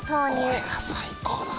これが最高だね。